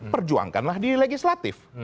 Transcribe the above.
perjuangkanlah di legislatif